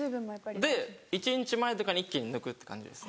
で１日前とかに一気に抜くって感じです。